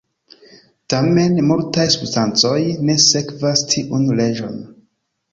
Tamen multaj substancoj ne sekvas tiun leĝon.